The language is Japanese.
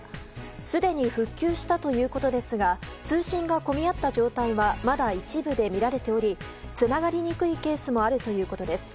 すでに復旧したということですが通信が混み合った状態はまだ一部で見られておりつながりにくいケースもあるということです。